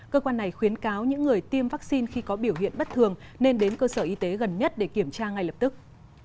cơ quan này khuyến cáo những người tiêm vaccine khi có biểu hiện bất thường nên đến cơ sở y tế gần nhất để kiểm tra ngay lập tức